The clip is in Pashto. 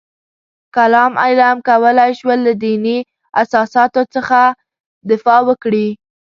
کلام علم کولای شول له دیني اساساتو څخه دفاع وکړي.